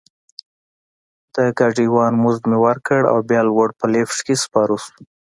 د ګاډي وان مزد مې ورکړ او بیا لوړ په لفټ کې سپاره شوو.